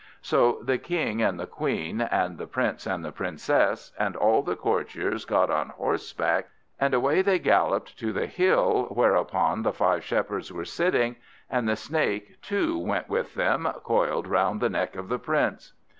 So the King and the Queen, and the Prince and the Princess, and all the courtiers, got on horseback, and away they galloped to the hill whereupon the five Shepherds were sitting, and the Snake too went with them, coiled round the neck of the Prince.